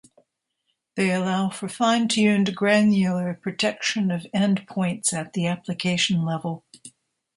They allow for fine-tuned, granular protection of end points at the application level.